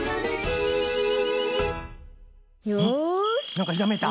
なんかひらめいた？